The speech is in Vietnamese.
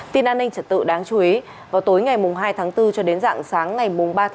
tin an ninh trật tự đáng chú ý vào tối ngày hai bốn cho đến sáng ngày ba bốn